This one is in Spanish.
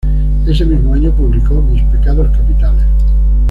Ese mismo año publicó "Mis pecados capitales.